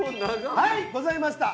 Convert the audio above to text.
はいございました。